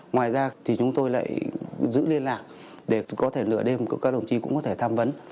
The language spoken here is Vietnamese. ngoài ra thì chúng tôi lại giữ liên lạc để có thể lựa đêm các đồng chí cũng có thể tham vấn